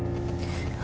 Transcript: kamu gak tau kan